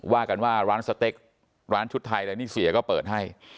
ว่ากันว่าร้านสเต็กร้านชุดไทยอะไรนี่เสียก็เปิดให้